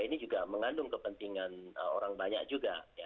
ini juga mengandung kepentingan orang banyak juga